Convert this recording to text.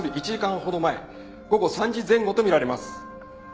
午後３時前後と見られます。